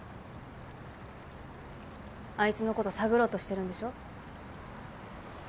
あいつの事探ろうとしてるんでしょ？